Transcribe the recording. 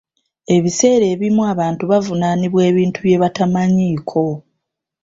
Ebiseera ebimu abantu bavunaanibwa ebintu bye batamanyiiko..